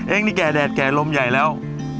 นี่แก่แดดแก่ลมใหญ่แล้ว